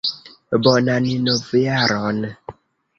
Bonan novjaron!